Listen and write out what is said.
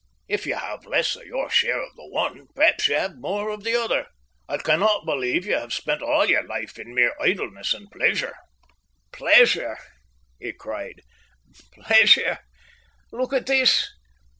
"If you have less of your share of the one, perhaps you have more of the other. I cannot believe you have spent all your life in mere idleness and pleasure." "Pleasure!" he cried. "Pleasure! Look at this!"